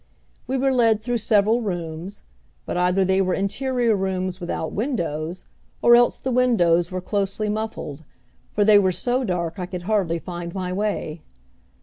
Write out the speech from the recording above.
We were led through several rooms; but either they were interior rooms without windows, or else the windows were closely muffled, for they were so dark I could hardly find my way.